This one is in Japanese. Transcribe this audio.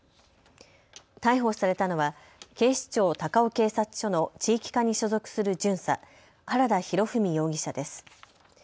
逮捕されたのは警視庁高尾警察署の地域課に所属する巡査、原田宗史容疑者です。